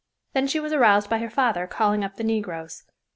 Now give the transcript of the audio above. Then she was aroused by her father calling up the negroes.